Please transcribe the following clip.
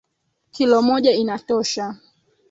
Kilo moja inatosha.